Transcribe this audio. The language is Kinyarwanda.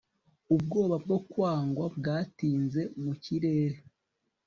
ubwoba bwo kwangwa bwatinze mu kirere